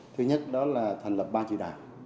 thứ nhất đó là thành lập ba trị đạt